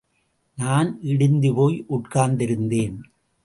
நான் இடிந்துபோய் உட்கார்ந்திருந்தேன்.